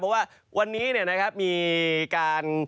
เพราะว่าวันนี้นะครับมีการ